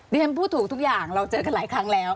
ฉันพูดถูกทุกอย่างเราเจอกันหลายครั้งแล้ว